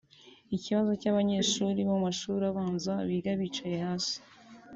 ikibazo cy’abanyeshuri bo mu mashuri abanza biga bicaye hasi